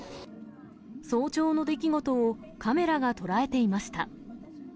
早朝の出来事をカメラが捉えていました。